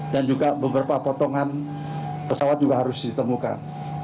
dan juga beberapa potongan pesawat juga harus ditemukan